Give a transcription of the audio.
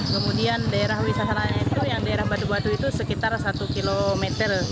kemudian daerah wisata raya itu yang daerah batu batu itu sekitar satu km